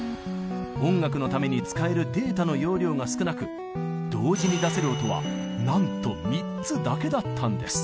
音楽のために使えるデータの容量が少なく同時に出せる音はなんと３つだけだったんです。